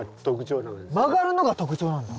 曲がるのが特徴なんだ。